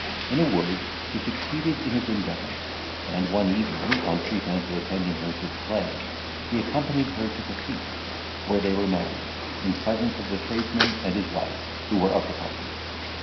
In a word, he succeeded in his endeavours, and, one evening, on pretence of attending her to the play, he accompanied her to the Fleet, where they were married, in presence of the tradesman and his wife, who were of the party.